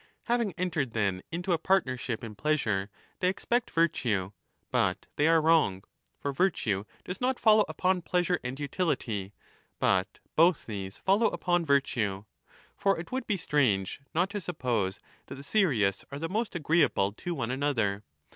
Having entered then into a partnership in pleasure, they expect virtue, but there they are wrong. For virtue does not follow upon pleasure and utility, but both these follow upon vi rtue."^ For it would be strange not to suppose that the .serious are the most agreeable to one another.